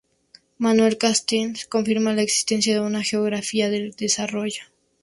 Manuel Castells confirma la existencia de una "geografía del desarrollo".